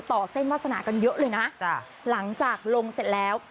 ต่อเส้นวาสนากันเยอะเลยนะจ้ะหลังจากลงเสร็จแล้ว